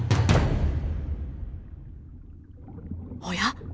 おや？